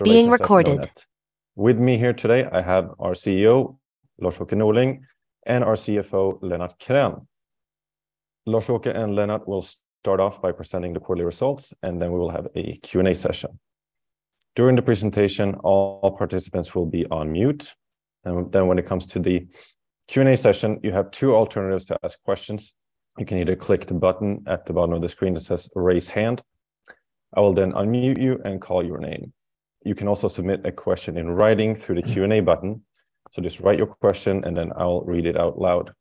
With me here today, I have our CEO, Lars-Åke Norling, and our CFO, Lennart Krän. Lars-Åke and Lennart will start off by presenting the quarterly results, and then we will have a Q&A session. During the presentation, all participants will be on mute, and then when it comes to the Q&A session, you have two alternatives to ask questions. You can either click the button at the bottom of the screen that says Raise Hand. I will then unmute you and call your name. You can also submit a question in writing through the Q&A button. Just write your question, and then I'll read it out loud.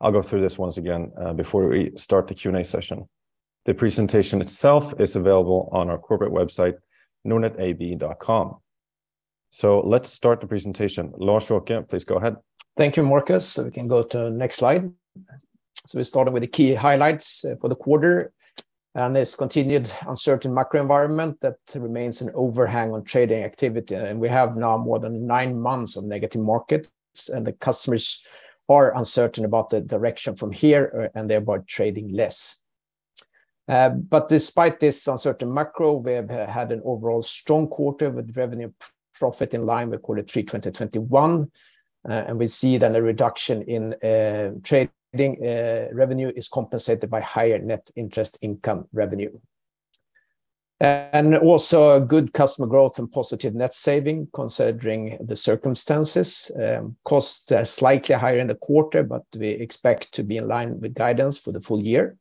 I'll go through this once again before we start the Q&A session. The presentation itself is available on our corporate website, nordnetab.com. Let's start the presentation. Lars-Åke, please go ahead. Thank you, Marcus. We can go to next slide. We're starting with the key highlights for the quarter, and this continued uncertain macro environment that remains an overhang on trading activity. We have now more than nine months of negative markets, and the customers are uncertain about the direction from here and thereby trading less. Despite this uncertain macro, we have had an overall strong quarter with revenue profit in line with quarter three 2021. We see then a reduction in trading revenue is compensated by higher net interest income revenue. Also a good customer growth and positive net saving considering the circumstances. Costs are slightly higher in the quarter, but we expect to be in line with guidance for the full year.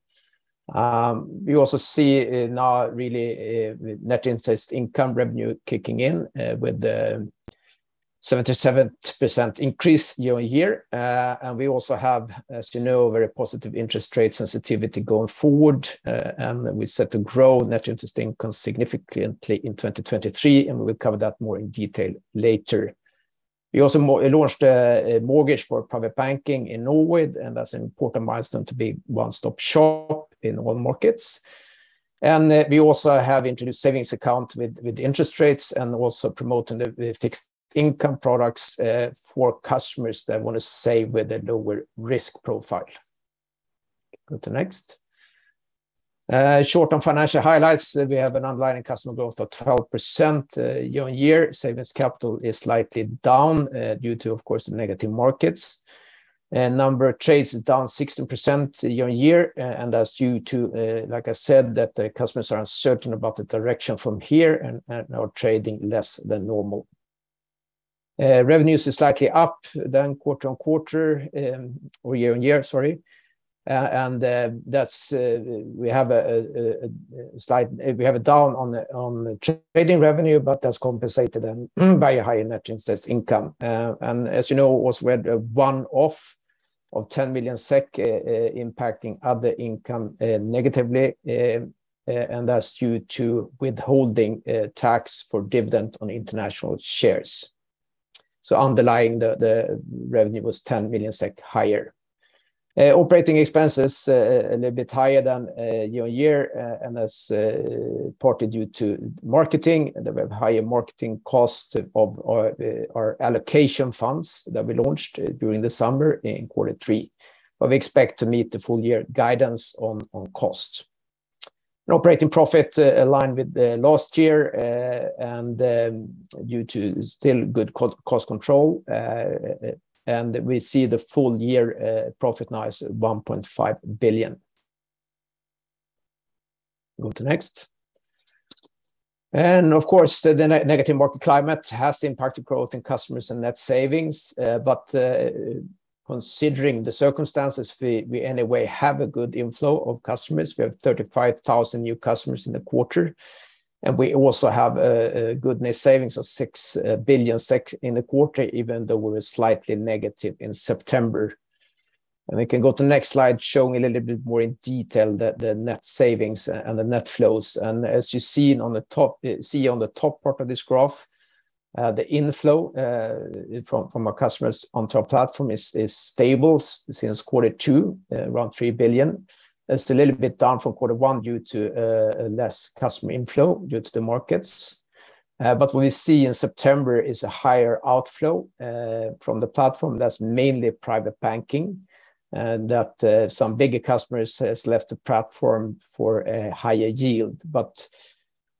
We also see now really net interest income revenue kicking in with the 77% increase year-over-year. We also have, as you know, very positive interest rate sensitivity going forward, and we set to grow net interest income significantly in 2023, and we will cover that more in detail later. We also launched a mortgage for private banking in Norway, and that's an important milestone to be one-stop shop in all markets. We also have introduced savings account with interest rates and also promoting the fixed income products for customers that want to save with a lower risk profile. Go to next. Short on financial highlights, we have an underlying customer growth of 12% year-over-year. Savings capital is slightly down due to, of course, the negative markets. Number of trades is down 16% year-on-year, and that's due to like I said that the customers are uncertain about the direction from here and are trading less than normal. Revenues is slightly up than quarter-on-quarter or year-on-year, sorry. And that's we have a slight down on trading revenue, but that's compensated by a higher net interest income. And as you know, there was a one-off of 10 million SEK impacting other income negatively, and that's due to withholding tax for dividend on international shares. Underlying the revenue was 10 million SEK higher. Operating expenses a little bit higher than year-on-year, and that's partly due to marketing. We have higher marketing cost of our allocation funds that we launched during the summer in quarter three. We expect to meet the full year guidance on cost. An operating profit aligned with the last year, and due to still good cost control, and we see the full year profit now is 1.5 billion. Go to next. Of course, the negative market climate has impacted growth in customers and net savings. Considering the circumstances, we anyway have a good inflow of customers. We have 35,000 new customers in the quarter, and we also have a good net savings of 6 billion SEK in the quarter, even though we were slightly negative in September. We can go to next slide showing a little bit more in detail the net savings and the net flows. As you see on the top part of this graph, the inflow from our customers on to our platform is stable since quarter two, around 3 billion. It's a little bit down from quarter one due to less customer inflow due to the markets. But we see in September is a higher outflow from the platform that's mainly private banking that some bigger customers has left the platform for a higher yield.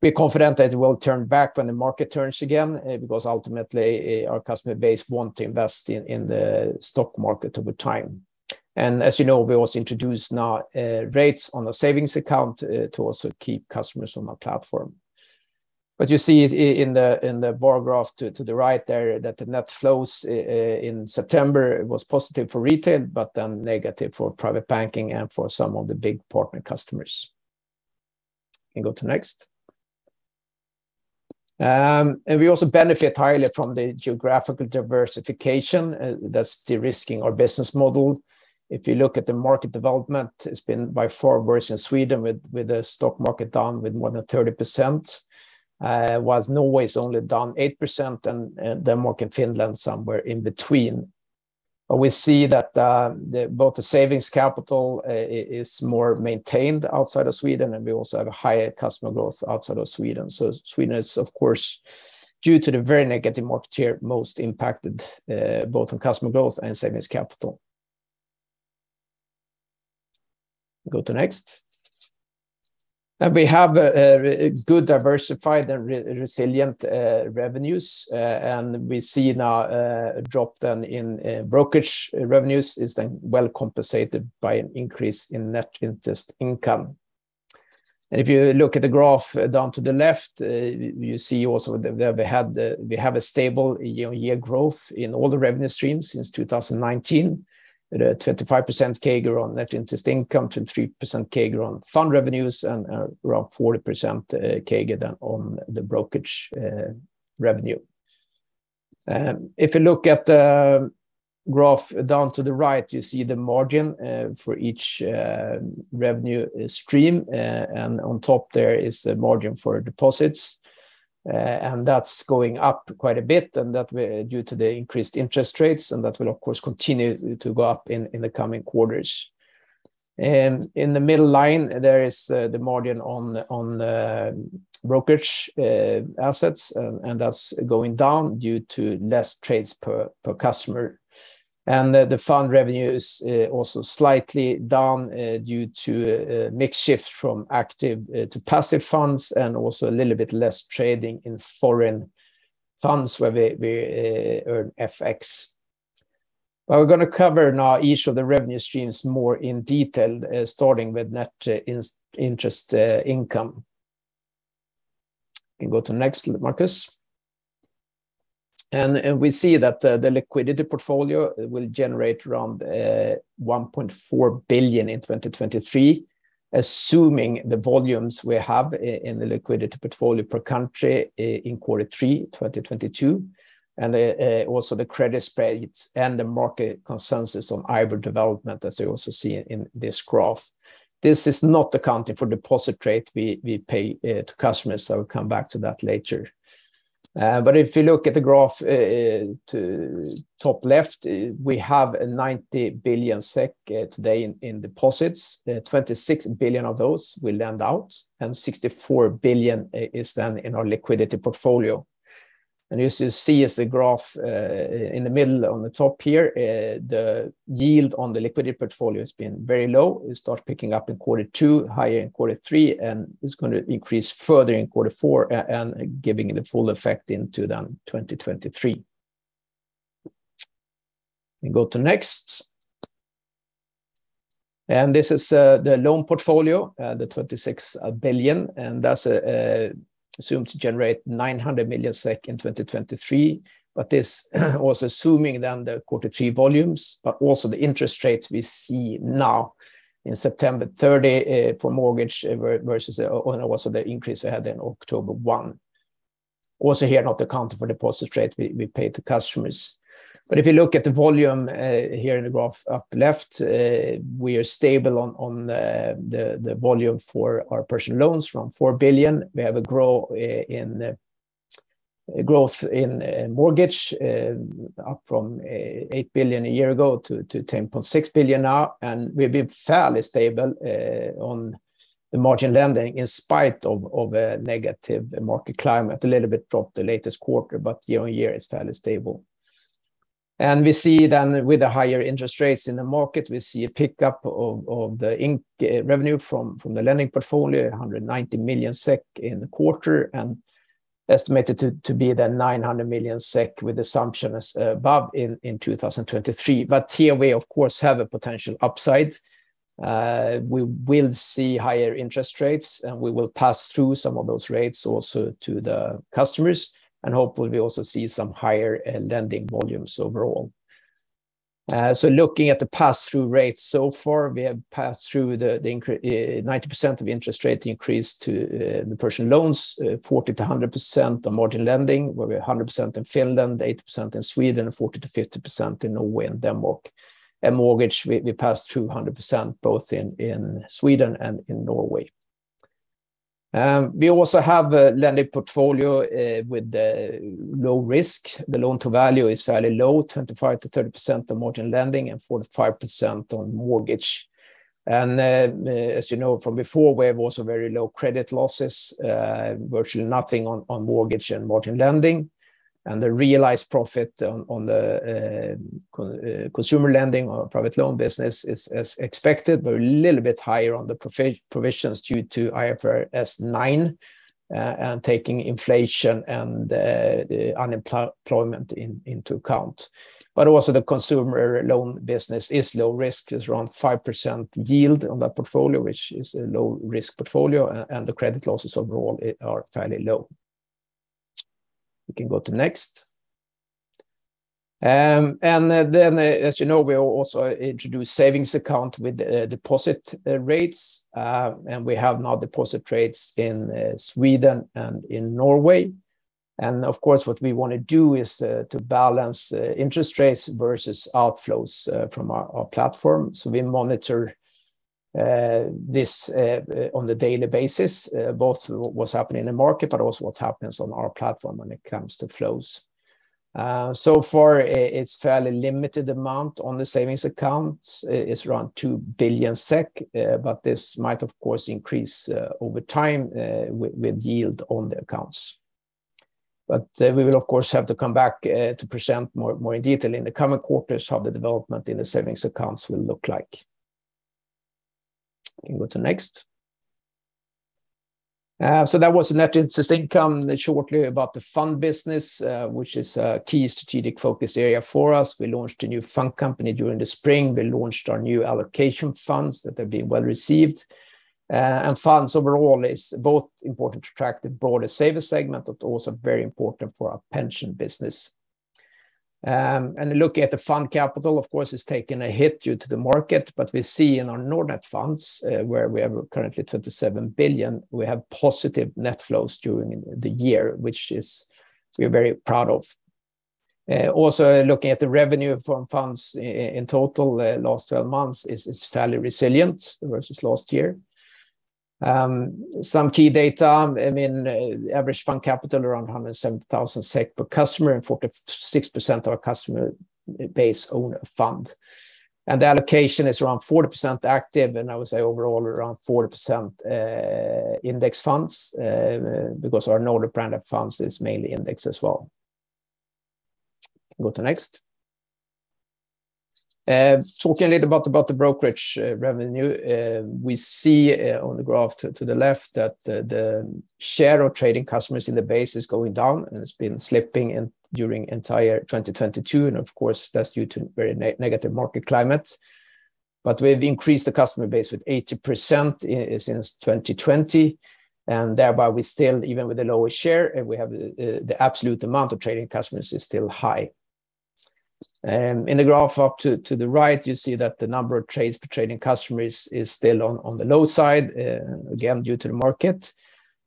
We're confident that it will turn back when the market turns again because ultimately our customer base want to invest in the stock market over time. As you know, we also introduced now rates on a savings account to also keep customers on our platform. You see in the bar graph to the right there that the net flows in September was positive for retail, but then negative for private banking and for some of the big partner customers. Can go to next. We also benefit highly from the geographical diversification that's de-risking our business model. If you look at the market development, it's been by far worse in Sweden with the stock market down with more than 30%, whilst Norway is only down 8% and Denmark and Finland somewhere in between. We see that both the savings capital is more maintained outside of Sweden, and we also have higher customer growth outside of Sweden. Sweden is, of course, due to the very negative market here, most impacted, both on customer growth and savings capital. Go to next. We have a good diversified and resilient revenues. We see now a drop then in brokerage revenues is then well compensated by an increase in net interest income. If you look at the graph down to the left, you see also that we have a stable year-on-year growth in all the revenue streams since 2019. The 25% CAGR on net interest income, 23% CAGR on fund revenues and around 40% CAGR then on the brokerage revenue. If you look at the graph down to the right, you see the margin for each revenue stream. On top there is a margin for deposits. That's going up quite a bit, and that is due to the increased interest rates, and that will of course continue to go up in the coming quarters. In the middle line, there is the margin on brokerage assets, and that's going down due to less trades per customer. The fund revenue is also slightly down due to a mix shift from active to passive funds and also a little bit less trading in foreign funds where we earn FX. We're gonna cover now each of the revenue streams more in detail, starting with net interest income. We can go to next, Marcus. We see that the liquidity portfolio will generate around 1.4 billion in 2023, assuming the volumes we have in the liquidity portfolio per country in Q3 2022, and also the credit spreads and the market consensus on IBOR development as we also see in this graph. This is not accounting for deposit rate we pay to customers, so I'll come back to that later. But if you look at the graph to top left, we have 90 billion SEK today in deposits. Twenty-six billion of those we lend out, and 64 billion is then in our liquidity portfolio. You see as the graph in the middle on the top here the yield on the liquidity portfolio has been very low. It starts picking up in quarter two, higher in quarter three, and it's gonna increase further in quarter four and giving the full effect into then 2023. We go to next. This is the loan portfolio, the 26 billion, and that's assumed to generate 900 million SEK in 2023. This also assuming then the quarter three volumes, but also the interest rates we see now in September 30 for mortgages versus and also the increase we had in October 1. Also here, not accounting for deposit rate we pay to customers. If you look at the volume here in the graph upper left, we are stable on the volume for our personal loans from 4 billion. We have growth in mortgage up from 8 billion a year ago to 10.6 billion now. We've been fairly stable on the margin lending in spite of a negative market climate, a little bit from the latest quarter, but year-on-year is fairly stable. We see then with the higher interest rates in the market, we see a pickup of the revenue from the lending portfolio, 190 million SEK in the quarter and estimated to be 900 million SEK with assumption as above in 2023. Here we of course have a potential upside. We will see higher interest rates, and we will pass through some of those rates also to the customers. Hopefully we also see some higher lending volumes overall. Looking at the pass-through rates so far, we have passed through 90% of the interest rate increase to the personal loans, 40%-100% on margin lending, where we're 100% in Finland, 80% in Sweden, 40%-50% in Norway and Denmark. Mortgage, we passed through 100% both in Sweden and in Norway. We also have a lending portfolio with low risk. The loan-to-value is fairly low, 25%-30% on margin lending and 45% on mortgage. As you know from before, we have also very low credit losses, virtually nothing on mortgage and margin lending. The realized profit on consumer lending or private loan business is as expected, but a little bit higher on the provisions due to IFRS 9, and taking inflation and unemployment into account. The consumer loan business is low risk. It's around 5% yield on that portfolio, which is a low-risk portfolio, and the credit losses overall are fairly low. We can go to next. As you know, we also introduced savings account with deposit rates, and we have now deposit rates in Sweden and in Norway. Of course, what we wanna do is to balance interest rates versus outflows from our platform. We monitor this on a daily basis, both what's happening in the market, but also what happens on our platform when it comes to flows. So far it's fairly limited amount on the savings accounts. It's around 2 billion SEK, but this might of course increase over time, with yield on the accounts. We will of course have to come back to present more in detail in the coming quarters how the development in the savings accounts will look like. You can go to next. That was the net interest income. Shortly about the fund business, which is a key strategic focus area for us. We launched a new fund company during the spring. We launched our new allocation funds that have been well received. funds overall is both important to attract the broader saver segment, but also very important for our pension business. Looking at the fund capital, of course, it's taken a hit due to the market. We see in our Nordnet funds, where we have currently 37 billion, we have positive net flows during the year, which we are very proud of. Also looking at the revenue from funds in total, last twelve months is fairly resilient versus last year. Some key data, I mean, average fund capital around 170,000 SEK per customer, and 46% of our customer base own a fund. The allocation is around 40% active, and I would say overall around 40% index funds, because our Nordnet brand of funds is mainly index as well. Can go to next. Talking a little about the brokerage revenue, we see on the graph to the left that the share of trading customers in the base is going down, and it's been slipping in during entire 2022. Of course, that's due to very negative market climate. We've increased the customer base with 80% since 2020, and thereby we still, even with the lower share, we have the absolute amount of trading customers is still high. In the graph to the right, you see that the number of trades per trading customer is still on the low side, again, due to the market.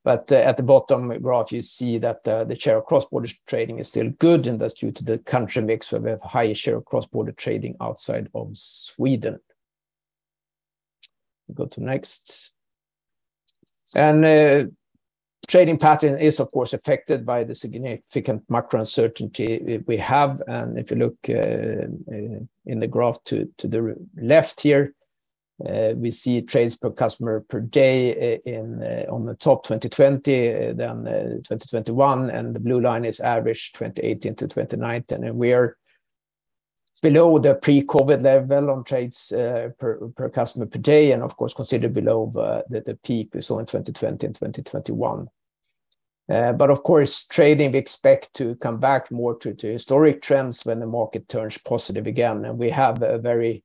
At the bottom graph, you see that the share of cross-border trading is still good, and that's due to the country mix, where we have higher share of cross-border trading outside of Sweden. Go to next. Trading pattern is of course affected by the significant macro uncertainty we have. If you look in the graph to the right here, we see trades per customer per day in 2020, then 2021, and the blue line is average 2018 to 2019. We are below the pre-COVID level on trades per customer per day, and of course, considerably below the peak we saw in 2020 and 2021. Trading we expect to come back more to historic trends when the market turns positive again. We have a very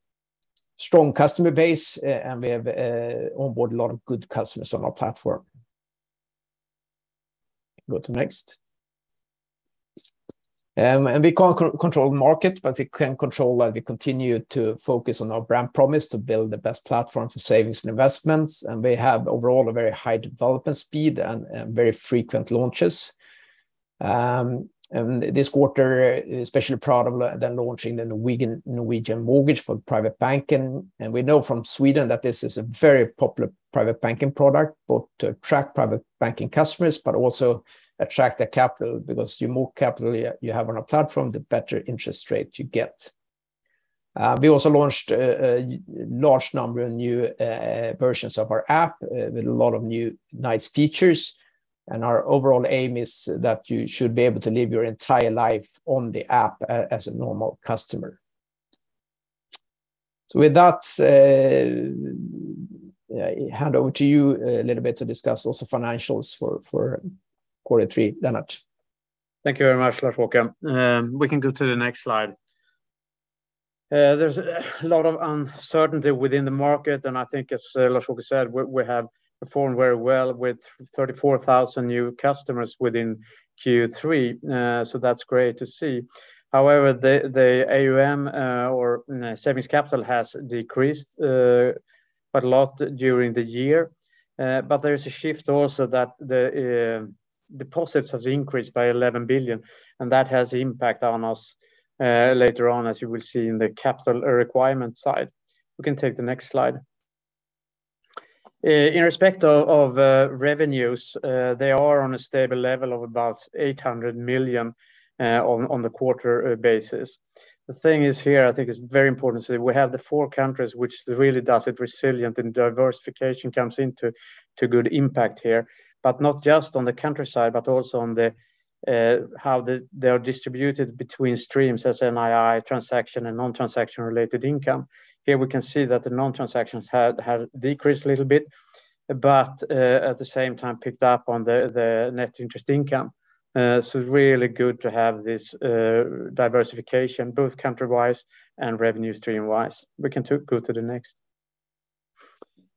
strong customer base, and we have onboarded a lot of good customers on our platform. Go to next. We can't control the market, but we can control and we continue to focus on our brand promise to build the best platform for savings and investments. We have overall a very high development speed and very frequent launches. This quarter, especially proud of launching the Norwegian mortgage for private banking. We know from Sweden that this is a very popular private banking product, both to attract private banking customers, but also attract the capital. Because the more capital you have on a platform, the better interest rate you get. We also launched a large number of new versions of our app with a lot of new nice features. Our overall aim is that you should be able to live your entire life on the app as a normal customer. With that, I hand over to you a little bit to discuss also financials for quarter three. Lennart Krän. Thank you very much, Lars-Åke. We can go to the next slide. There's a lot of uncertainty within the market, and I think, as Lars-Åke said, we have performed very well with 34,000 new customers within Q3, so that's great to see. However, the AUM or savings capital has decreased quite a lot during the year. But there is a shift also that the deposits has increased by 11 billion, and that has impact on us later on, as you will see in the capital requirement side. We can take the next slide. In respect of revenues, they are on a stable level of about 800 million on a quarterly basis. The thing is here, I think it's very important to say we have the four countries which really makes it resilient, and diversification comes into good impact here, but not just on the country side, but also on the how they are distributed between streams as NII transaction and non-transaction related income. Here we can see that the non-transaction have decreased a little bit, but at the same time picked up on the net interest income. Really good to have this diversification, both country-wise and revenue stream-wise. We can go to the next.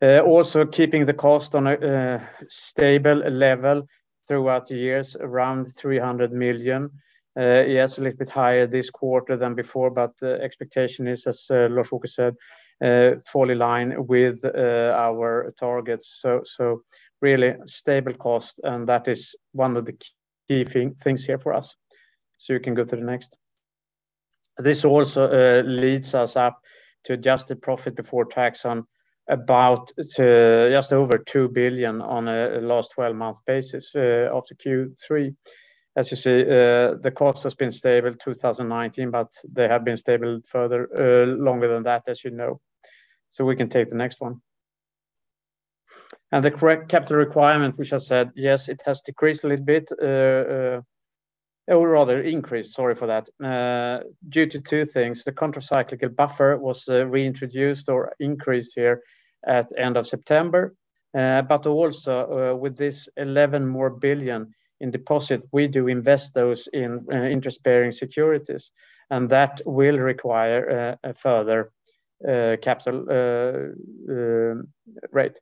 Also keeping the cost on a stable level throughout the years, around 300 million. Yes, a little bit higher this quarter than before, but the expectation is, as Lars-Åke Norling said, fully in line with our targets. Really stable cost, and that is one of the key things here for us. We can go to the next. This also leads us up to adjusted profit before tax on about just over 2 billion on a last twelve month basis of the Q3. As you see, the cost has been stable 2019, but they have been stable further longer than that, as you know. We can take the next one. The correct capital requirement, which I said, yes, it has decreased a little bit or rather increased, sorry for that, due to two things. The countercyclical buffer was reintroduced or increased here at end of September. With this 11 billion more in deposits, we do invest those in interest-bearing securities, and that will require a further capital rate.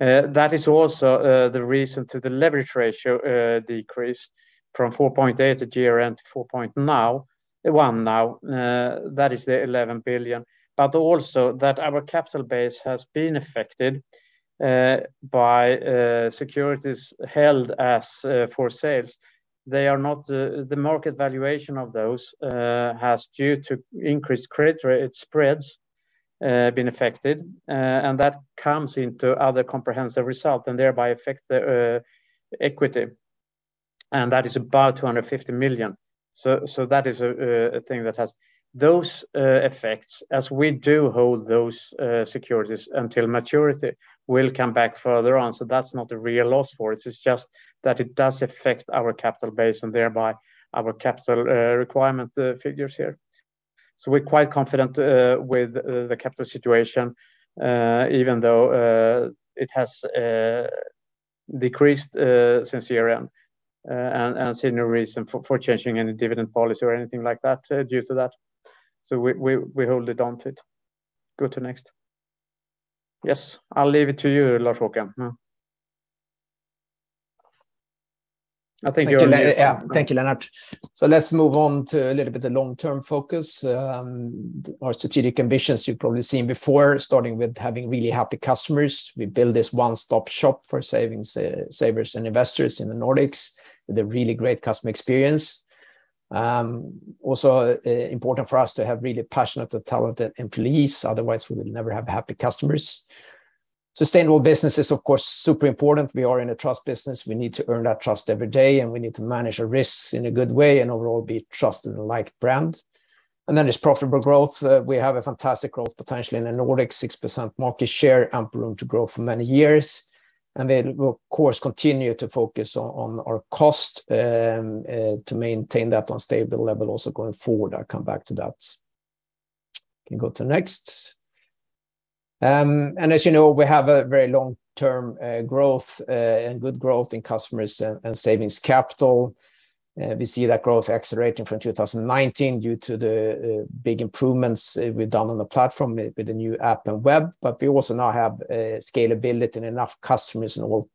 That is also the reason for the leverage ratio decrease from 4.8% at year-end to 4.1% now. That is the 11 billion. Also that our capital base has been affected by securities held for sale. The market valuation of those has, due to increased credit spreads, been affected. That comes into other comprehensive income and thereby affects the equity. That is about 250 million. That is a thing that has those effects as we do hold those securities until maturity will come back further on. That's not a real loss for us. It's just that it does affect our capital base and thereby our capital requirement figures here. We're quite confident with the capital situation even though it has decreased since year-end and see no reason for changing any dividend policy or anything like that due to that. We hold it onto it. Go to next. Yes, I'll leave it to you, Lars-Åke. Yeah. I think you're- Thank you, Lennart. Let's move on to a little bit the long-term focus. Our strategic ambitions you've probably seen before, starting with having really happy customers. We build this one-stop shop for savings, savers and investors in the Nordics with a really great customer experience. Also important for us to have really passionate and talented employees, otherwise we will never have happy customers. Sustainable business is of course super important. We are in a trust business. We need to earn that trust every day, and we need to manage our risks in a good way and overall be trusted and liked brand. There's profitable growth. We have a fantastic growth potentially in the Nordics, 6% market share, ample room to grow for many years. We'll of course continue to focus on our cost to maintain that on stable level also going forward. I'll come back to that. Can go to next. As you know, we have a very long-term growth and good growth in customers and savings capital. We see that growth accelerating from 2019 due to the big improvements we've done on the platform with the new app and web. We also now have scalability and enough customers in all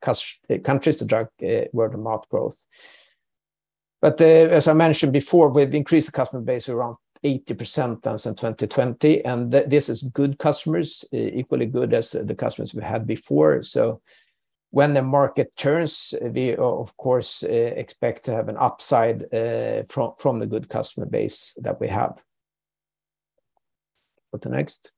countries to drive word-of-mouth growth. As I mentioned before, we've increased the customer base around 80% since 2020, and this is good customers, equally good as the customers we had before. When the market turns, we of course expect to have an upside from the good customer base that we have. Go to next.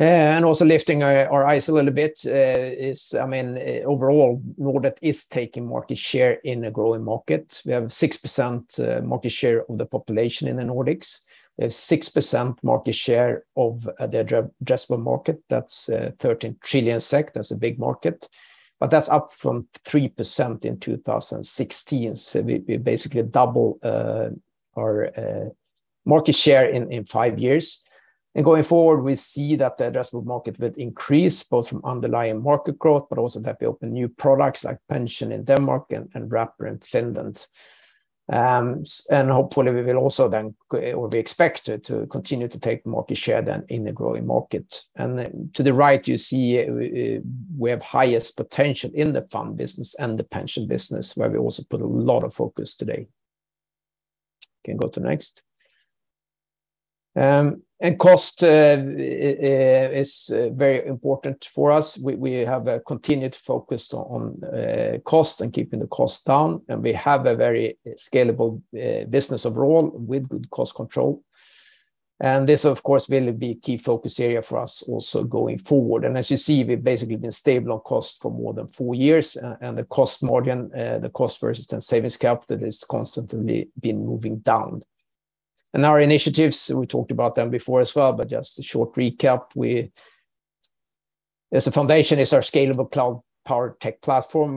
Also lifting our eyes a little bit, I mean, overall, Nordnet is taking market share in a growing market. We have 6% market share of the population in the Nordics. We have 6% market share of the addressable market. That's 13 trillion SEK. That's a big market. That's up from 3% in 2016. We basically double our market share in five years. Going forward, we see that the addressable market will increase both from underlying market growth, but also that we open new products like pension in Denmark and wrapper in Finland. We expect to continue to take market share in the growing market. To the right, you see, we have highest potential in the fund business and the pension business where we also put a lot of focus today. Can go to next. Cost is very important for us. We have a continued focus on cost and keeping the cost down, and we have a very scalable business overall with good cost control. This of course will be key focus area for us also going forward. As you see, we've basically been stable on cost for more than four years. The cost margin, the cost versus savings capital has constantly been moving down. Our initiatives, we talked about them before as well, but just a short recap. As a foundation is our scalable cloud-powered tech platform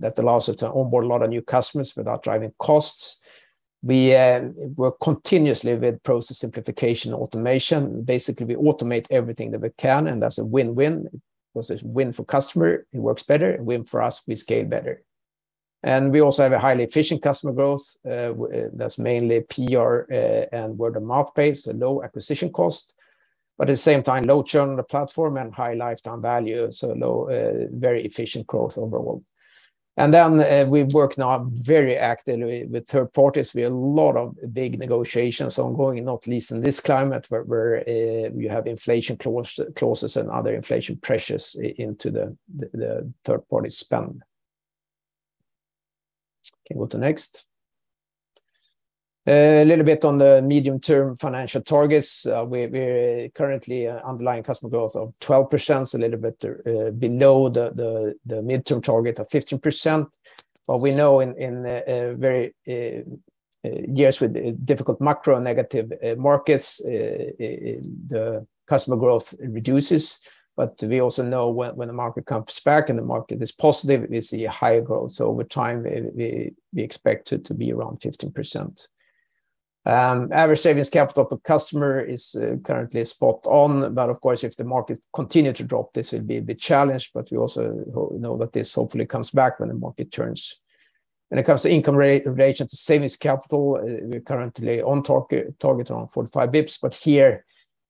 that allows us to onboard a lot of new customers without driving costs. We work continuously with process simplification automation. Basically, we automate everything that we can, and that's a win-win because it's win for customer, it works better, and win for us, we scale better. We also have a highly efficient customer growth, that's mainly PR, and word-of-mouth base, so low acquisition cost. At the same time, low churn on the platform and high lifetime value, so low, very efficient growth overall. We work now very actively with third parties. We have a lot of big negotiations ongoing, not least in this climate where you have inflation clauses and other inflation pressures into the third party spend. Can go to next. A little bit on the medium-term financial targets. We currently underlying customer growth of 12%, a little bit below the medium-term target of 15%. We know in very difficult years with macro negative markets, the customer growth reduces. We also know when the market comes back and the market is positive, we see a higher growth. Over time, we expect it to be around 15%. Average savings capital per customer is currently spot on. Of course, if the market continue to drop, this will be a bit challenged. We also know that this hopefully comes back when the market turns. When it comes to income ratio to savings capital, we're currently on target around 45 bps. Here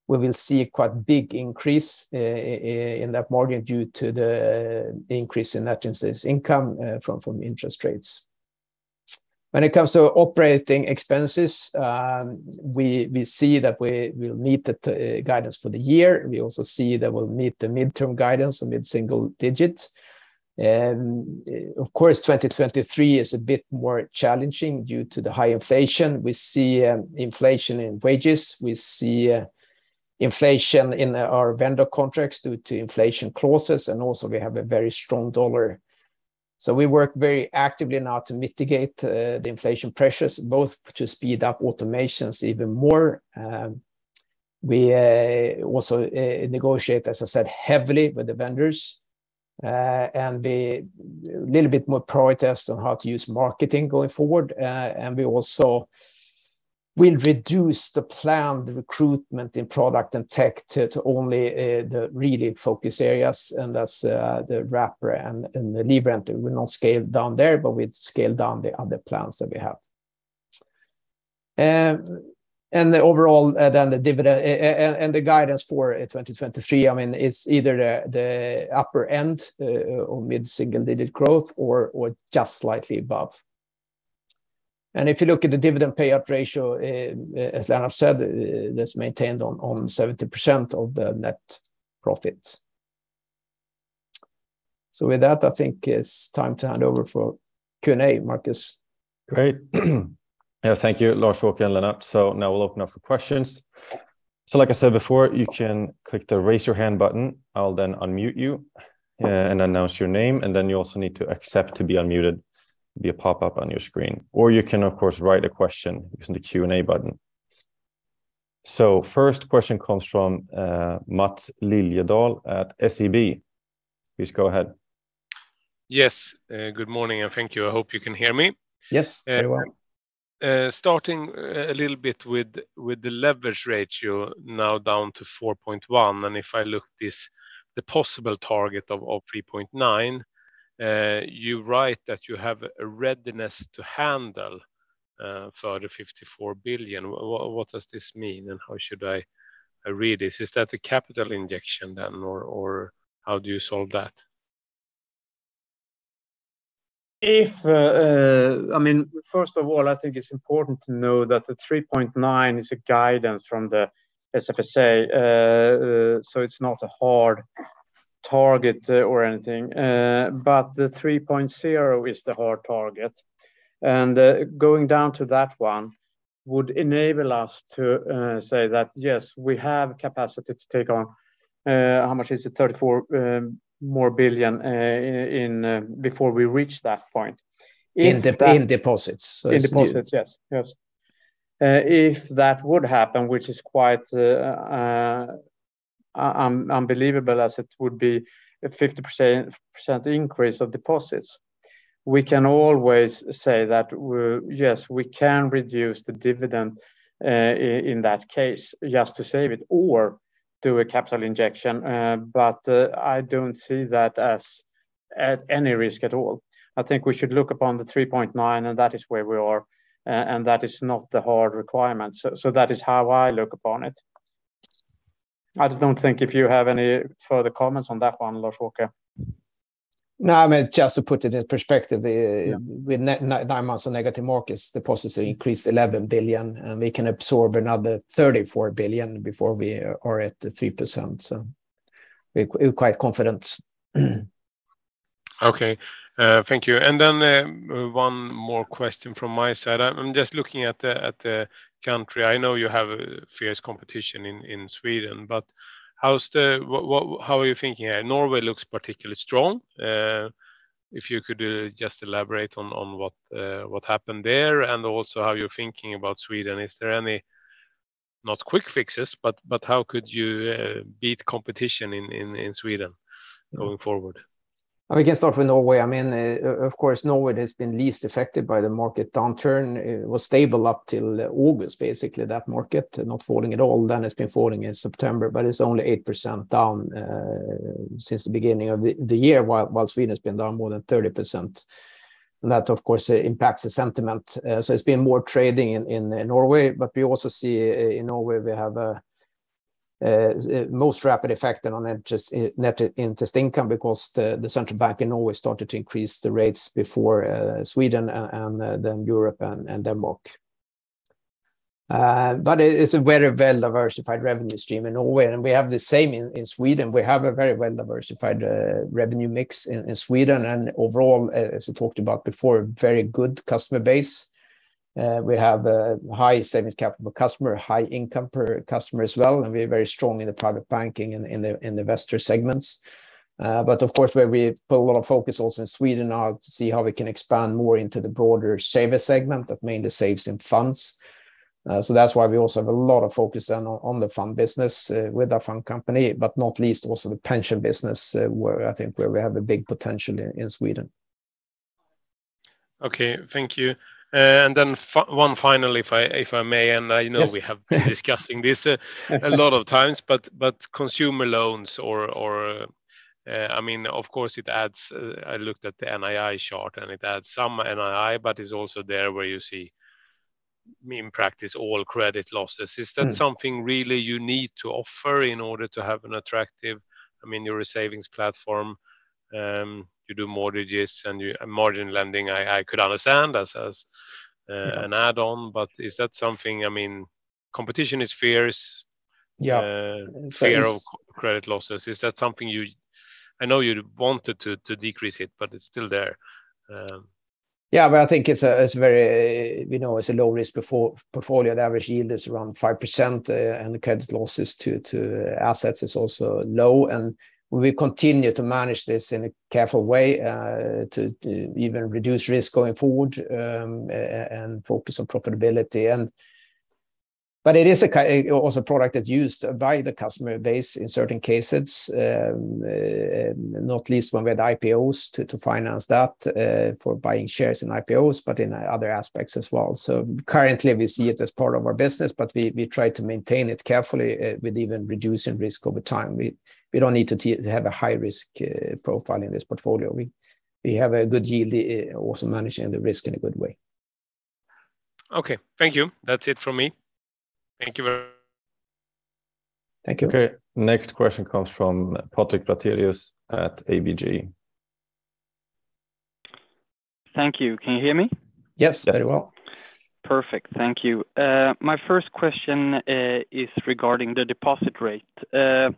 we will see a quite big increase in that margin due to the increase in net interest income from interest rates. When it comes to operating expenses, we see that we will meet the guidance for the year. We also see that we'll meet the medium-term guidance of mid-single-digits. Of course, 2023 is a bit more challenging due to the high inflation. We see inflation in wages, we see inflation in our vendor contracts due to inflation clauses, and also we have a very strong dollar. We work very actively now to mitigate the inflation pressures, both to speed up automation even more. We also negotiate, as I said, heavily with the vendors and be a little bit more proactive on how to use marketing going forward. We also will reduce the planned recruitment in product and tech to only the real focus areas. As the Wrapper and the Livrente, we will not scale down there, but we will scale down the other plans that we have. The overall dividend and the guidance for 2023, I mean, it's either the upper end or mid-single-digit growth or just slightly above. If you look at the dividend payout ratio, as Lennart said, that's maintained on 70% of the net profits. With that, I think it's time to hand over for Q&A. Marcus. Great. Yeah, thank you, Lars-Åke and Lennart. Now we'll open up for questions. Like I said before, you can click the Raise Your Hand button. I'll then unmute you, and announce your name, and then you also need to accept to be unmuted via pop up on your screen. Or you can of course write a question using the Q&A button. First question comes from, Maths Liljedahl at SEB. Please go ahead. Yes, good morning and thank you. I hope you can hear me. Yes, very well. Starting a little bit with the leverage ratio now down to 4.1%, and if I look at this, the possible target of 3.9%, you write that you have a readiness to handle further 54 billion. What does this mean and how should I read this? Is that a capital injection then, or how do you solve that? I mean, first of all, I think it's important to know that the 3.9% is a guidance from the SFSA, so it's not a hard target or anything, but the 3.0 is the hard target. Going down to that one would enable us to say that, yes, we have capacity to take on, how much is it? 34 billion more in before we reach that point. If that In deep in deposits. It's new. In deposits, yes. If that would happen, which is quite unbelievable as it would be a 50% increase of deposits, we can reduce the dividend, in that case just to save it or do a capital injection, but I don't see that as at any risk at all. I think we should look upon the 3.9, and that is where we are, and that is not the hard requirement. That is how I look upon it. I don't think if you have any further comments on that one, Lars-Åke Norling. No, I mean, just to put it in perspective. Yeah With 9 months of negative markets, deposits increased 11 billion, and we can absorb another 34 billion before we are at 3%. We're quite confident. Okay, thank you. One more question from my side. I'm just looking at the country. I know you have a fierce competition in Sweden, but how are you thinking? Norway looks particularly strong. If you could just elaborate on what happened there and also how you're thinking about Sweden. Is there any, not quick fixes, but how could you beat competition in Sweden going forward? We can start with Norway. I mean, of course, Norway has been least affected by the market downturn. It was stable up till August, basically, that market, not falling at all. It's been falling in September, but it's only 8% down since the beginning of the year, while Sweden has been down more than 30%. That, of course, impacts the sentiment. It's been more trading in Norway, but we also see in Norway we have a most rapid effect on net interest income because the central bank in Norway started to increase the rates before Sweden and then Europe and Denmark. It's a very well-diversified revenue stream in Norway, and we have the same in Sweden. We have a very well-diversified revenue mix in Sweden and overall, as we talked about before, very good customer base. We have a high savings capital customer, high income per customer as well, and we're very strong in the private banking and in the investor segments. Of course, where we put a lot of focus also in Sweden now to see how we can expand more into the broader saver segment that mainly saves in funds. That's why we also have a lot of focus on the fund business with our fund company, but not least also the pension business, where I think we have a big potential in Sweden. Okay. Thank you. And then, one final if I may, and I know- Yes. we have been discussing this a lot of times, but consumer loans, I mean, of course it adds. I looked at the NII chart and it adds some NII, but it's also there where you see, in practice all credit losses. Mm. Is that something really you need to offer in order to have an attractive? I mean, you're a savings platform, you do mortgages and margin lending, I could understand as an add-on, but is that something? I mean, competition is fierce. Yeah. Fear of credit losses. Is that something you? I know you wanted to decrease it, but it's still there. Yeah. I think it's very, you know, a low-risk portfolio. The average yield is around 5%, and the credit losses to assets is also low. We continue to manage this in a careful way, to even reduce risk going forward, and focus on profitability. It is also a product that's used by the customer base in certain cases, not least when we had IPOs to finance that, for buying shares in IPOs, but in other aspects as well. Currently we see it as part of our business, but we try to maintain it carefully, with even reducing risk over time. We don't need to have a high-risk profile in this portfolio. We have a good yield, also managing the risk in a good way. Okay. Thank you. That's it from me. Thank you very- Thank you. Okay. Next question comes from Patrick Platzer at ABG. Thank you. Can you hear me? Yes, very well. Perfect. Thank you. My first question is regarding the deposit rate. Can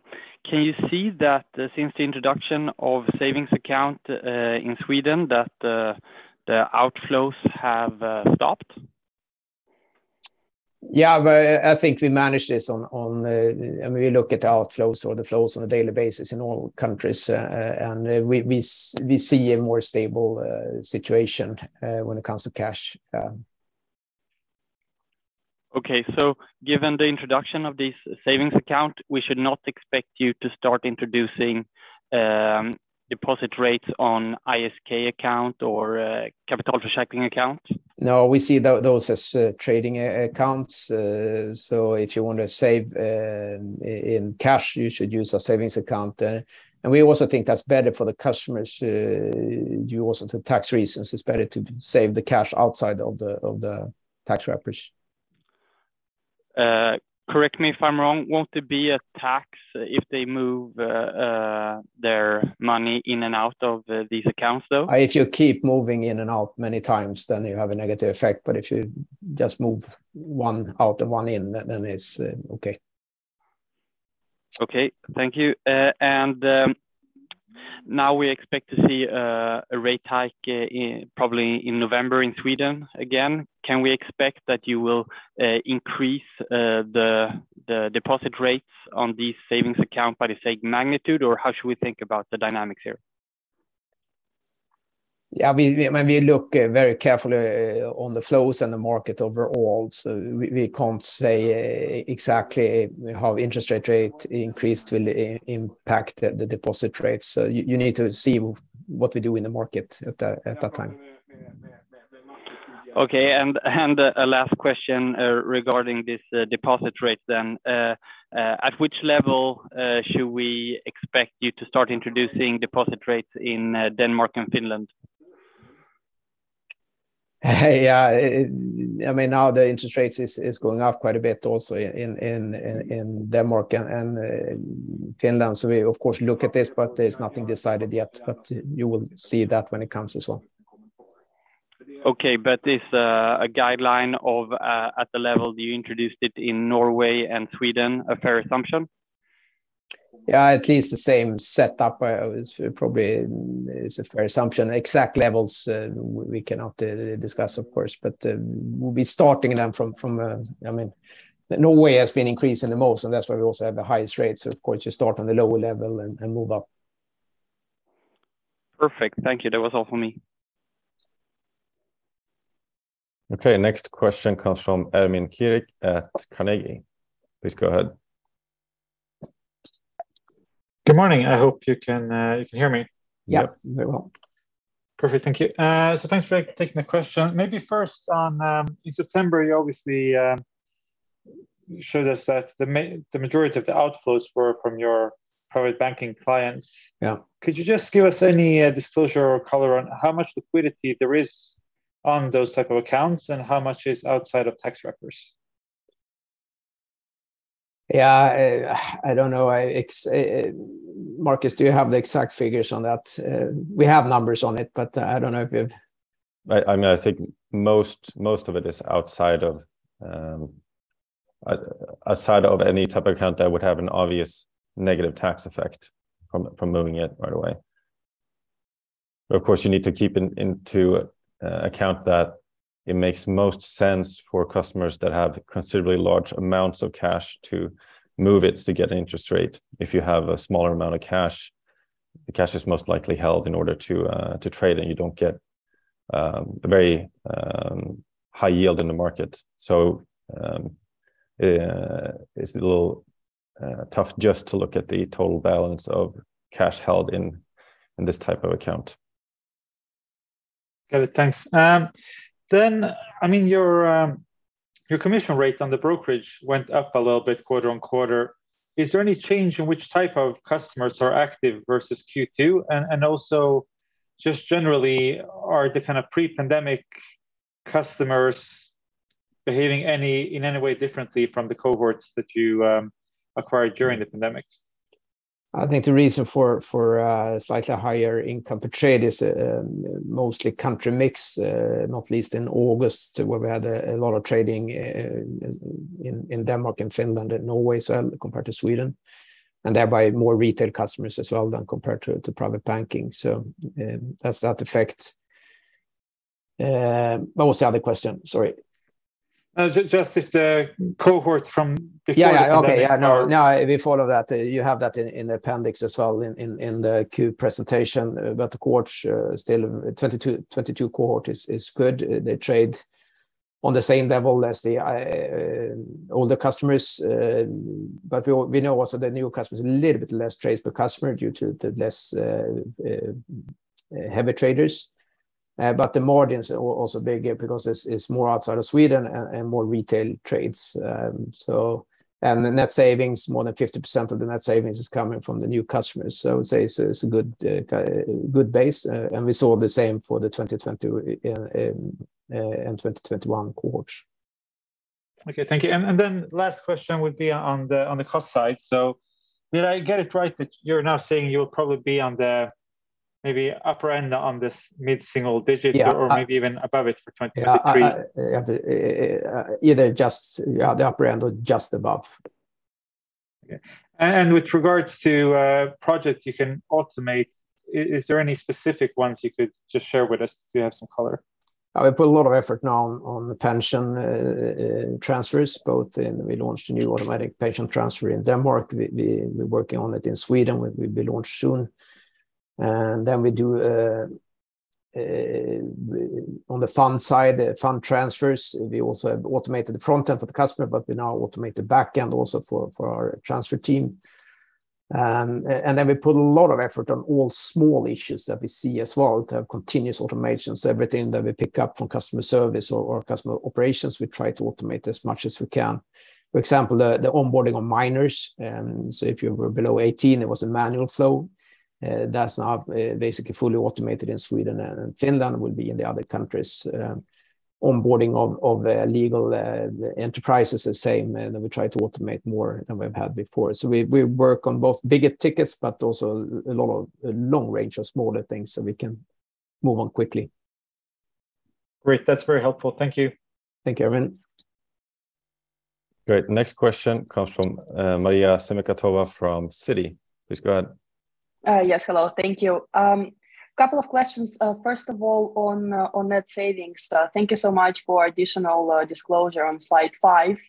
you see that since the introduction of Savings account in Sweden that the outflows have stopped? I think we manage this. I mean, we look at the outflows or the flows on a daily basis in all countries, and we see a more stable situation when it comes to cash. Okay. Given the introduction of this savings account, we should not expect you to start introducing deposit rates on ISK account or capital insurance account? No, we see those as trading accounts. If you want to save in cash, you should use a savings account. We also think that's better for the customers due also to tax reasons. It's better to save the cash outside of the tax wrappers. Correct me if I'm wrong. Won't there be a tax if they move their money in and out of these accounts, though? If you keep moving in and out many times, then you have a negative effect. If you just move one out and one in, then it's okay. Okay. Thank you. Now we expect to see a rate hike probably in November in Sweden again. Can we expect that you will increase the deposit rates on these savings account by the same magnitude? Or how should we think about the dynamics here? We, I mean, we look very carefully on the flows and the market overall. We can't say exactly how interest rate increase will impact the deposit rates. You need to see what we do in the market at that time. Okay. A last question regarding this deposit rate then. At which level should we expect you to start introducing deposit rates in Denmark and Finland? Yeah. I mean, now the interest rates is going up quite a bit also in Denmark and Finland. We of course look at this, but there's nothing decided yet. You will see that when it comes as well. Okay. Is a guideline of at the level you introduced it in Norway and Sweden a fair assumption? At least the same setup is probably a fair assumption. Exact levels we cannot discuss of course, but we'll be starting them from. I mean, Norway has been increasing the most, and that's why we also have the highest rates. Of course, you start on the lower level and move up. Perfect. Thank you. That was all for me. Okay. Next question comes from Ermin Keric at Carnegie. Please go ahead. Good morning. I hope you can hear me. Yeah, very well. Perfect. Thank you. Thanks for taking the question. Maybe first on, in September, you obviously, showed us that the majority of the outflows were from your private banking clients. Yeah. Could you just give us any, disclosure or color on how much liquidity there is on those type of accounts, and how much is outside of tax wrappers? Yeah, I don't know. It's Marcus, do you have the exact figures on that? We have numbers on it, but I don't know if you've I mean, I think most of it is outside of any type of account that would have an obvious negative tax effect from moving it right away. Of course, you need to take into account that it makes most sense for customers that have considerably large amounts of cash to move it to get an interest rate. If you have a smaller amount of cash, the cash is most likely held in order to trade, and you don't get a very high yield in the market. It's a little tough just to look at the total balance of cash held in this type of account. Got it. Thanks. I mean, your commission rate on the brokerage went up a little bit quarter-over-quarter. Is there any change in which type of customers are active versus Q2? Also just generally are the kind of pre-pandemic customers behaving in any way differently from the cohorts that you acquired during the pandemic? I think the reason for slightly higher income per trade is mostly country mix, not least in August, where we had a lot of trading in Denmark and Finland and Norway as well compared to Sweden, and thereby more retail customers as well than compared to private banking. That's that effect. What was the other question? Sorry. Just if the cohorts from before the pandemic are Yeah, yeah. Okay. I know. No, we follow that. You have that in the appendix as well in the Q presentation. The cohorts still 2022 cohort is good. They trade on the same level as the older customers. We know also the new customers a little bit less trades per customer due to the less heavy traders. The margins are also bigger because it's more outside of Sweden and more retail trades. The net savings, more than 50% of the net savings is coming from the new customers. I would say it's a good base. We saw the same for the 2020 and 2021 cohorts. Okay, thank you. Last question would be on the cost side. Did I get it right that you're now saying you'll probably be on the maybe upper end on this mid-single-digit- Yeah. maybe even above it for 2023? Yeah. Either just the upper end or just above. Okay. With regards to projects you can automate, is there any specific ones you could just share with us to have some color? We put a lot of effort now on the pension transfers. We launched a new automatic pension transfer in Denmark. We're working on it in Sweden. We launch soon. We do on the fund side, fund transfers, we also have automated the front end for the customer, but we now automate the back end also for our transfer team. We put a lot of effort on all small issues that we see as well to have continuous automation. Everything that we pick up from customer service or customer operations, we try to automate as much as we can. For example, the onboarding of minors. If you were below 18, it was a manual flow. That's now basically fully automated in Sweden and Finland, will be in the other countries. Onboarding of legal enterprises the same. Then we try to automate more than we've had before. We work on both bigger tickets, but also a lot of long tail of smaller things so we can move on quickly. Great. That's very helpful. Thank you. Thank you, Ermin. Great. Next question comes from Maria Semikhatova from Citi. Please go ahead. Yes. Hello. Thank you. Couple of questions. First of all, on net savings. Thank you so much for additional disclosure on slide five.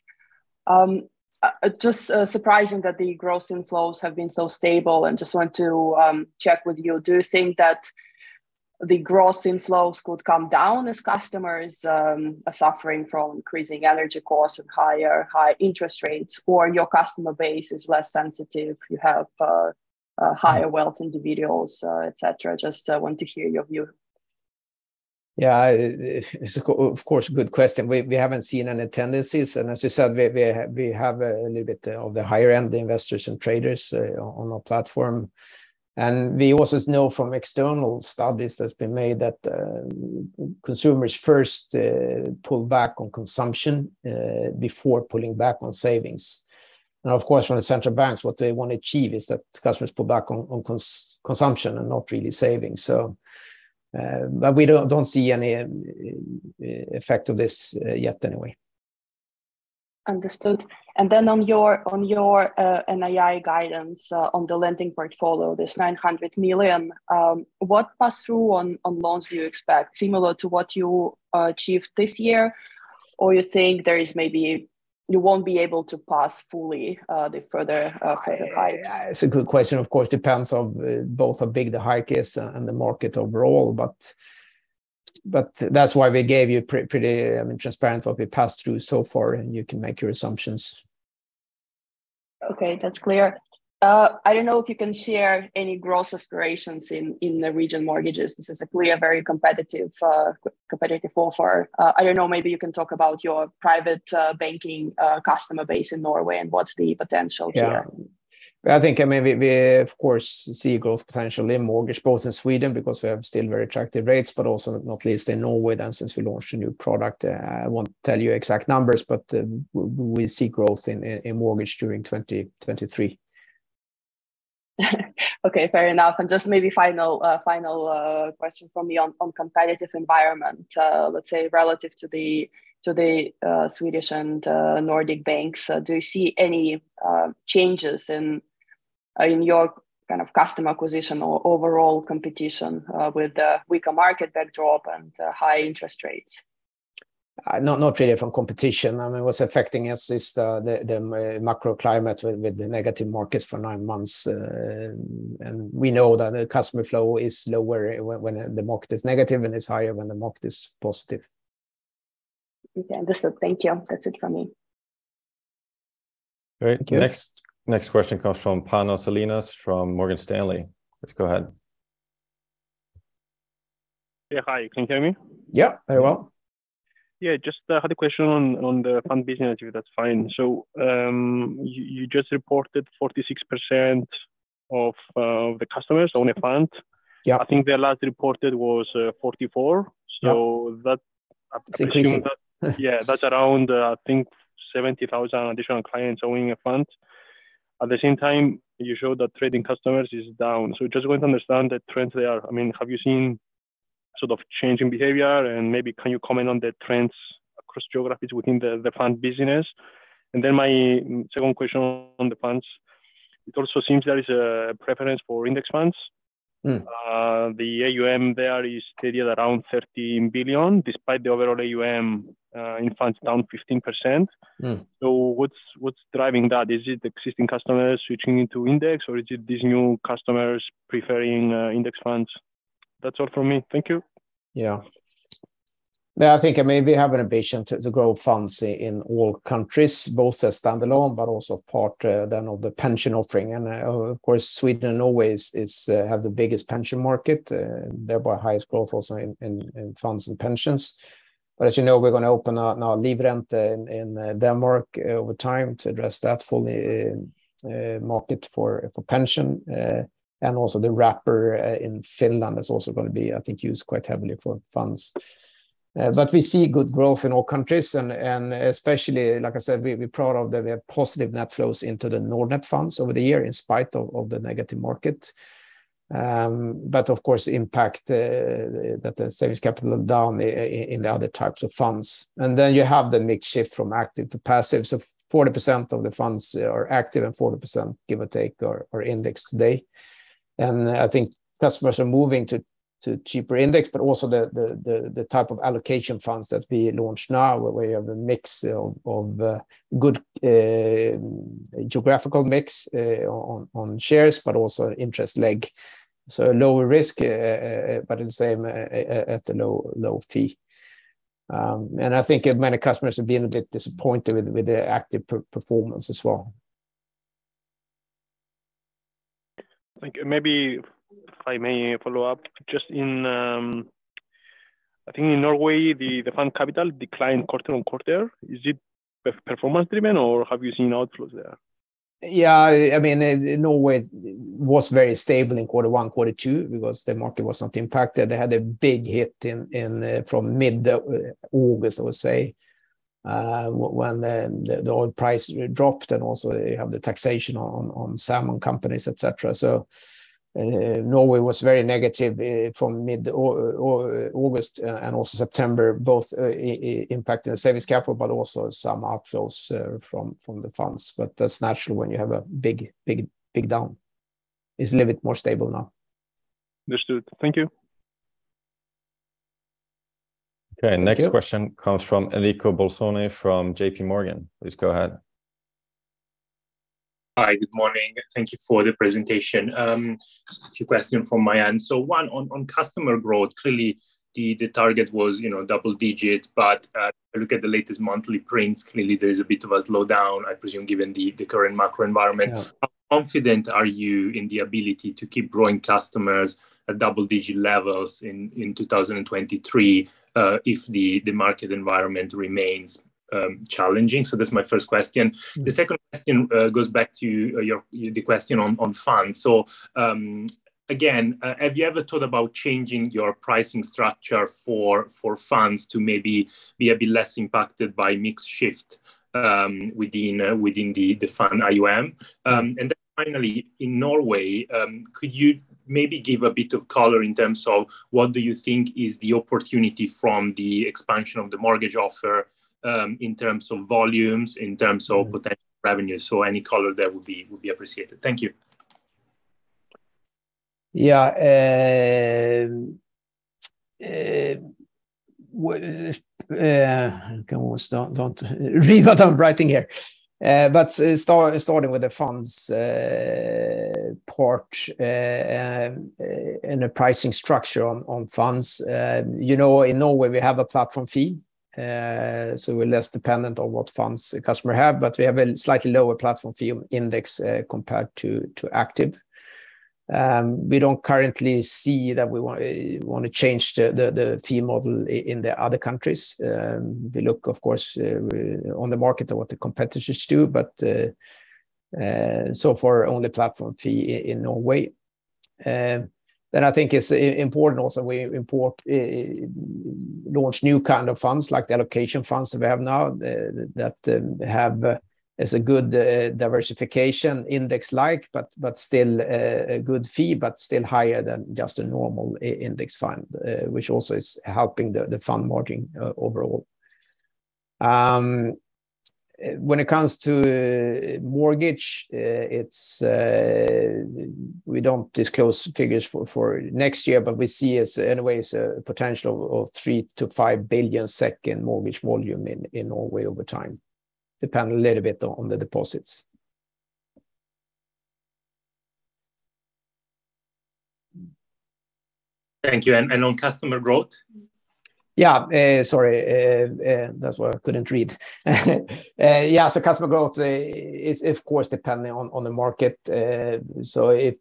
Just surprising that the gross inflows have been so stable and just want to check with you. Do you think that the gross inflows could come down as customers are suffering from increasing energy costs and high interest rates, or your customer base is less sensitive, you have higher wealth individuals, et cetera? Just want to hear your view. Yeah. It's of course a good question. We haven't seen any tendencies. As you said, we have a little bit of the higher end investors and traders on our platform. We also know from external studies that's been made that consumers first pull back on consumption before pulling back on savings. Now, of course, from the central banks, what they want to achieve is that customers pull back on consumption and not really savings. We don't see any effect of this yet anyway. Understood. Then on your NII guidance on the lending portfolio, 900 million, what pass-through on loans do you expect? Similar to what you achieved this year? You think there is maybe you won't be able to pass fully the further hikes? Yeah. It's a good question. Of course, depends on both how big the hike is and the market overall. That's why we gave you pretty, I mean, transparent what we passed through so far, and you can make your assumptions. Okay, that's clear. I don't know if you can share any growth aspirations in the region mortgages. This is a clearly very competitive offer. I don't know, maybe you can talk about your private banking customer base in Norway and what's the potential here. I think, I mean, we of course see growth potentially in mortgage both in Sweden because we have still very attractive rates, but also not least in Norway then since we launched a new product. I won't tell you exact numbers, but, we see growth in mortgage during 2023. Okay, fair enough. Just maybe final question from me on competitive environment. Let's say relative to the Swedish and Nordic banks. Do you see any changes in your kind of customer acquisition or overall competition with the weaker market backdrop and high interest rates? Not really from competition. I mean, what's affecting us is the macro climate with the negative markets for nine months. We know that the customer flow is lower when the market is negative, and it's higher when the market is positive. Okay, understood. Thank you. That's it from me. Great. Thank you. Next question comes from Panos Ellinas from Morgan Stanley. Please go ahead. Yeah, hi. Can you hear me? Yeah. Very well. Yeah. Just had a question on the fund business, if that's fine. You just reported 46% of the customers own a fund. Yeah. I think the last reported was 44%. Yeah. So that- It's increasing. Yeah. That's around, I think 70,000 additional clients owning a fund. At the same time, you showed that trading customers is down. Just want to understand the trends there are. I mean, have you seen sort of change in behavior? Maybe can you comment on the trends across geographies within the fund business? Then my second question on the funds, it also seems there is a preference for index funds. Mm. The AUM there is steady at around 13 billion, despite the overall AUM in funds down 15%. Mm. What's driving that? Is it existing customers switching into index, or is it these new customers preferring index funds? That's all from me. Thank you. Yeah. Yeah, I think, I mean, we have an ambition to grow funds in all countries, both as standalone but also part then of the pension offering. Of course, Sweden and Norway have the biggest pension market, thereby highest growth also in funds and pensions. But as you know, we're gonna open up now Livrente in Denmark over time to address that fully market for pension. And also the wrapper in Finland is also gonna be, I think, used quite heavily for funds. But we see good growth in all countries and especially, like I said, we're proud of that we have positive net flows into the Nordnet funds over the year in spite of the negative market. Of course, impact that the savings capital down in the other types of funds. You have the mix shift from active to passive. 40% of the funds are active and 40%, give or take, are index today. I think customers are moving to cheaper index, but also the type of allocation funds that we launched now, where we have a mix of good geographical mix on shares, but also interest leg. Lower risk, but at the same at the low fee. I think many customers have been a bit disappointed with the active performance as well. Thank you. Maybe if I may follow up just in, I think in Norway, the fund capital declined quarter-over-quarter. Is it performance driven or have you seen outflows there? Yeah, I mean, Norway was very stable in quarter one, quarter two because the market was not impacted. They had a big hit from mid-August, I would say, when the oil price dropped and also they have the taxation on salmon companies, et cetera. Norway was very negative from mid-August and also September, both impacting the savings capital, but also some outflows from the funds. That's natural when you have a big down. It's a little bit more stable now. Understood. Thank you. Okay. Thank you. Next question comes from Enrico Bolzoni from J.P. Morgan. Please go ahead. Hi. Good morning. Thank you for the presentation. Just a few questions from my end. One, on customer growth, clearly the target was, you know, double-digit. I look at the latest monthly prints, clearly there is a bit of a slowdown, I presume, given the current macro environment. Yeah. How confident are you in the ability to keep growing customers at double-digit levels in 2023, if the market environment remains challenging? That's my first question. The second question goes back to the question on funds. Again, have you ever thought about changing your pricing structure for funds to maybe be a bit less impacted by mix shift within the fund AUM? Then finally, in Norway, could you maybe give a bit of color in terms of what do you think is the opportunity from the expansion of the mortgage offer in terms of volumes, in terms of potential revenues? Any color there would be appreciated. Thank you. Don't read what I'm writing here. Starting with the funds part and the pricing structure on funds. You know, in Norway we have a platform fee, so we're less dependent on what funds the customer have, but we have a slightly lower platform fee index compared to active. We don't currently see that we wanna change the fee model in the other countries. We look, of course, on the market of what the competitors do, but so far only platform fee in Norway. I think it's important also we launch new kind of funds like the allocation funds that we have now, that have as a good diversification index like, but still a good fee, but still higher than just a normal index fund, which also is helping the fund margin overall. When it comes to mortgage, it's. We don't disclose figures for next year, but we see anyways a potential of 3-5 billion second mortgage volume in Norway over time. Depends a little bit on the deposits. Thank you. On customer growth? Yeah. Sorry. That's why I couldn't read. Yeah, so customer growth is of course depending on the market. If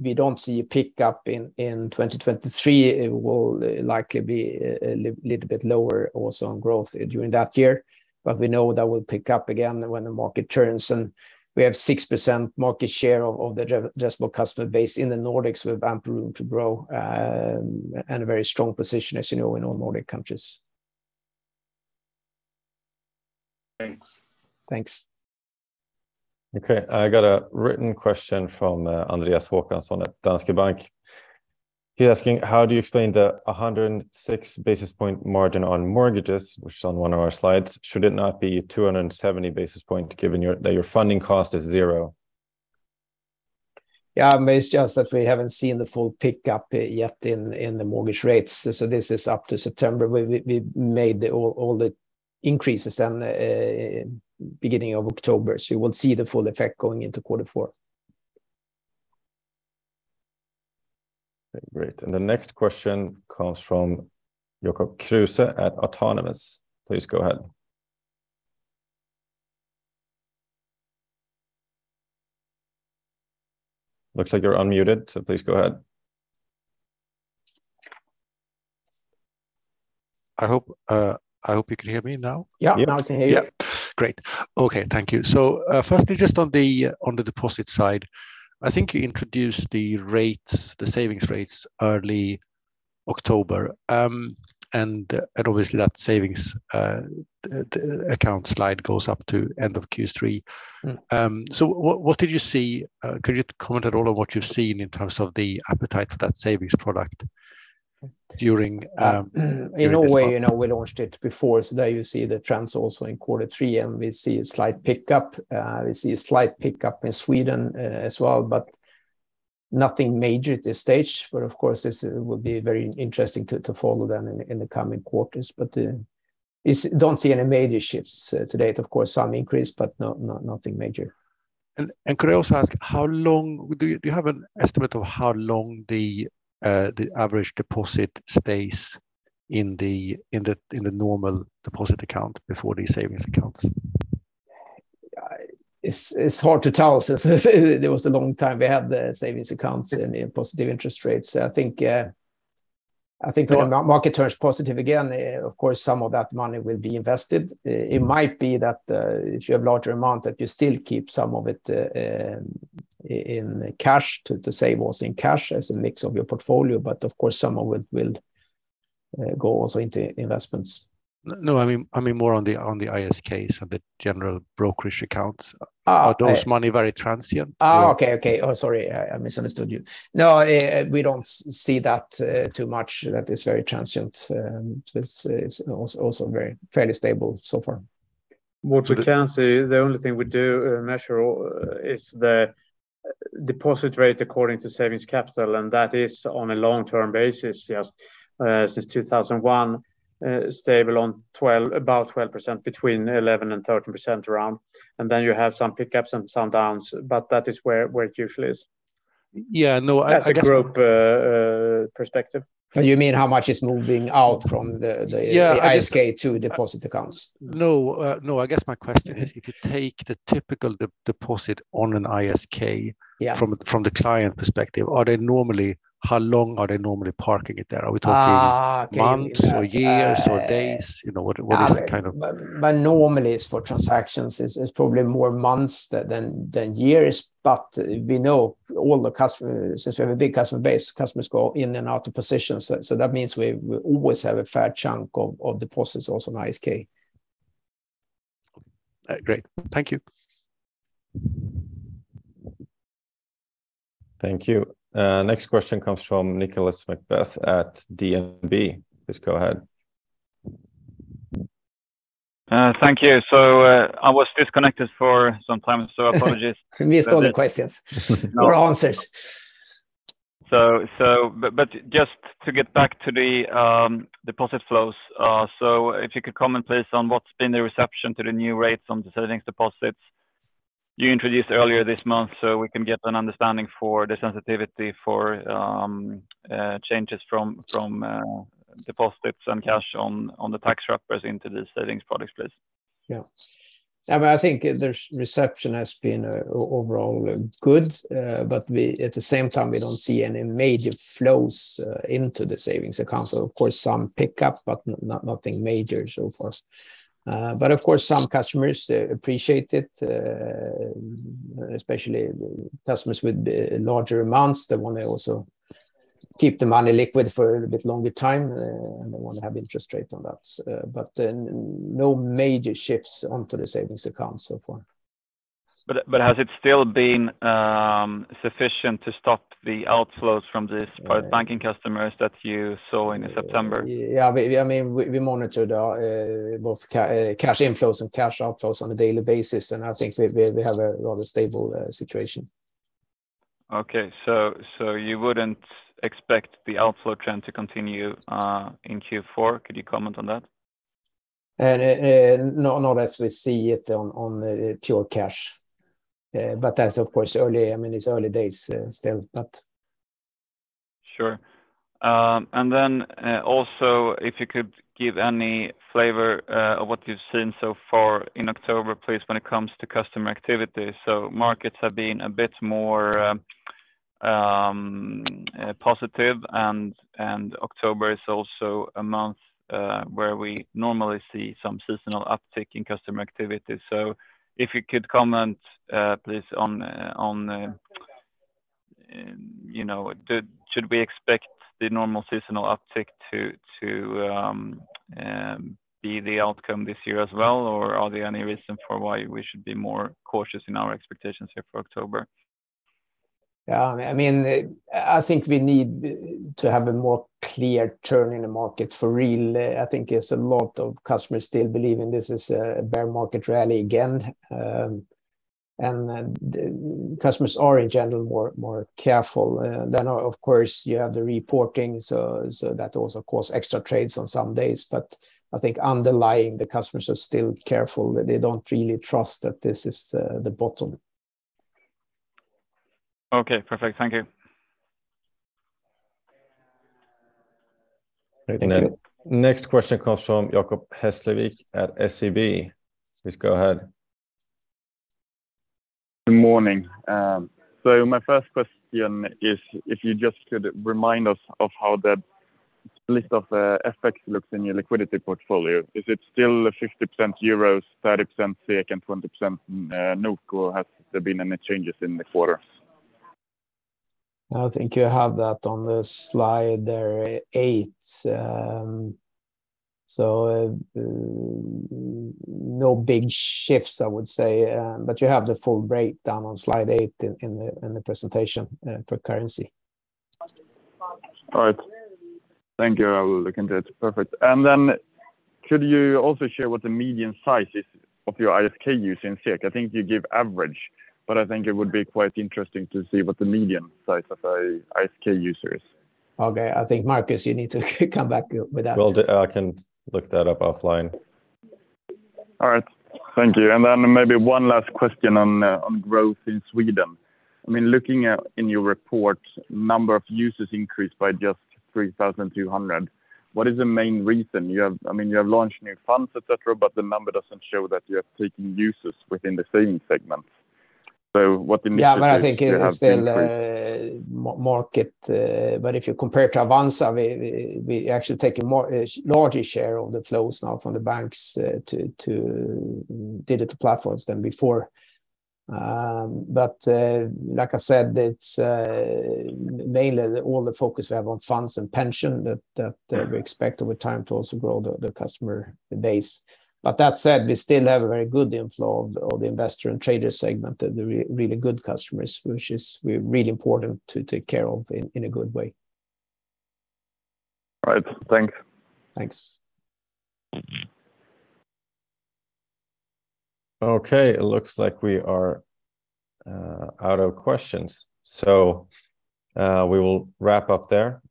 we don't see a pickup in 2023, it will likely be a little bit lower also on growth during that year. We know that will pick up again when the market turns, and we have 6% market share of the registrable customer base in the Nordics with ample room to grow, and a very strong position, as you know, in all Nordic countries. Thanks. Thanks. I got a written question from Andreas Håkansson at Danske Bank. He's asking, "How do you explain the 106 basis point margin on mortgages," which is on one of our slides, "Should it not be 270 basis point, given that your funding cost is zero? Yeah, I mean, it's just that we haven't seen the full pickup yet in the mortgage rates. This is up to September. We made all the increases beginning of October. You will see the full effect going into quarter four. Great. The next question comes from Jacob Kruse at Autonomous. Please go ahead. Looks like you're unmuted, so please go ahead. I hope you can hear me now. Yeah. Now I can hear you. Yeah. Great. Okay. Thank you. Firstly, just on the deposit side, I think you introduced the rates, the savings rates early October. And obviously that savings account slide goes up to end of Q3. Mm. What did you see? Could you comment at all on what you've seen in terms of the appetite for that savings product during, In a way, you know, we launched it before. There you see the trends also in quarter three, and we see a slight pickup. We see a slight pickup in Sweden, as well, but nothing major at this stage. Of course, this would be very interesting to follow then in the coming quarters. Don't see any major shifts to date. Of course, some increase, but nothing major. Could I also ask, do you have an estimate of how long the average deposit stays in the normal deposit account before the savings accounts? It's hard to tell since it was a long time we had the savings accounts and positive interest rates. I think when market turns positive again, of course, some of that money will be invested. It might be that if you have larger amount, that you still keep some of it in cash to save also in cash as a mix of your portfolio. Of course, some of it will go also into investments. No, I mean more on the ISKs and the general brokerage accounts. Ah. Are those money very transient? Oh, okay. Okay. Oh, sorry, I misunderstood you. No, we don't see that too much that is very transient. This is also very fairly stable so far. What we can say, the only thing we do measure is the deposit rate according to savings capital, and that is on a long-term basis, yes. Since 2001, stable on 12—about 12%, between 11% and 13% around. You have some pickups and some downs, but that is where it usually is. Yeah. No, As a group, perspective. You mean how much is moving out from the? Yeah. ISK to deposit accounts? No. No. I guess my question is, if you take the typical deposit on an ISK- Yeah. From the client perspective, how long are they normally parking it there? Are we talking Okay. months or years or days? You know, what is the kind of Normally it's for transactions. It's probably more months than years. We know all the customers, since we have a big customer base, customers go in and out of positions. That means we always have a fair chunk of deposits also in ISK. Great. Thank you. Thank you. Next question comes from Nicolas McBeath at DNB. Please go ahead. Thank you. I was disconnected for some time, so apologies. You missed all the questions or answers. Just to get back to the deposit flows. If you could comment please on what's been the reception to the new rates on the savings deposits you introduced earlier this month, so we can get an understanding for the sensitivity for changes from deposits and cash on the tax wrappers into the savings products, please. Yeah. I mean, I think the reception has been overall good. At the same time, we don't see any major flows into the savings account. Of course, some pickup, but nothing major so far. Of course, some customers appreciate it, especially customers with larger amounts. They wanna also keep the money liquid for a bit longer time, and they wanna have interest rates on that. But then, no major shifts onto the savings account so far. Has it still been sufficient to stop the outflows from these private banking customers that you saw in September? Yeah, I mean, we monitor both cash inflows and cash outflows on a daily basis, and I think we have a rather stable situation. Okay. You wouldn't expect the outflow trend to continue in Q4? Could you comment on that? No, not as we see it on pure cash. As, of course, early, I mean, it's early days still. Sure. Also if you could give any flavor of what you've seen so far in October, please, when it comes to customer activity. Markets have been a bit more positive and October is also a month where we normally see some seasonal uptick in customer activity. If you could comment, please on you know should we expect the normal seasonal uptick to be the outcome this year as well or are there any reason for why we should be more cautious in our expectations here for October? Yeah, I mean, I think we need to have a more clear turn in the market for real. I think there's a lot of customers still believe in this as a bear market rally again. Customers are in general more careful. Of course, you have the reportings, so that also cause extra trades on some days. I think underlying, the customers are still careful that they don't really trust that this is the bottom. Okay, perfect. Thank you. Thank you. Next question comes from Jacob Hesslevik at SEB. Please go ahead. Good morning. My first question is if you just could remind us of how the list of FX looks in your liquidity portfolio. Is it still 50% EUR, 30% SEK, and 20% NOK or has there been any changes in the quarter? I think you have that on slide 8. No big shifts, I would say. You have the full breakdown on slide 8 in the presentation for currency. All right. Thank you. I will look into it. Perfect. Could you also share what the median size is of your ISK users in SEK? I think you give average, but I think it would be quite interesting to see what the median size of a ISK user is. Okay. I think, Marcus, you need to come back with that. Will do. I can look that up offline. All right. Thank you. Maybe one last question on growth in Sweden. I mean, looking at, in your report, number of users increased by just 3,200. What is the main reason? I mean, you have launched new funds, et cetera, but the number doesn't show that you have taken users within the savings segment. What initiatives you have increased? I think it's still market. If you compare to Avanza, we actually taking a larger share of the flows now from the banks to digital platforms than before. Like I said, it's mainly all the focus we have on funds and pension that we expect over time to also grow the customer base. That said, we still have a very good inflow of the investor and trader segment that they're really good customers, which is why it's really important to take care of in a good way. All right. Thanks. Thanks. Okay. It looks like we are out of questions, so we will wrap up there.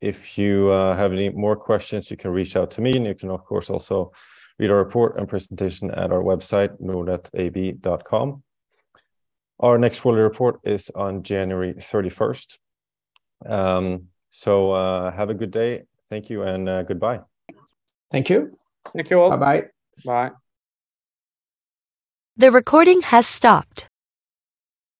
If you have any more questions, you can reach out to me and you can, of course, also read our report and presentation at our website, nordnetab.com. Our next quarterly report is on January 31st. Have a good day. Thank you and goodbye. Thank you. Thank you all. Bye-bye. Bye.